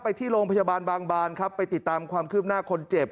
ไปที่โรงพยาบาลบางบานครับไปติดตามความคืบหน้าคนเจ็บ